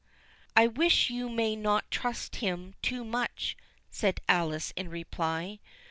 "I wish you may not trust him too much," said Alice in reply.